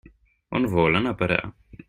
On vol anar a parar?